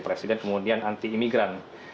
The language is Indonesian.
presiden kemudian anti imigran